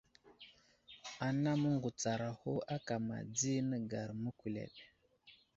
Ana məŋgutsaraho akama di nəgar məkuleɗ.